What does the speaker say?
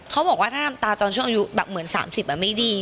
เขาบอกว่าถ้าทำตาตอนช่วงอายุแบบเหมือน๓๐ไม่ดี